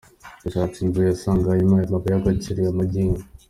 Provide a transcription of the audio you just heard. Yasatse inzu ye isangamo ayo mabuye y’agaciro ya magendu.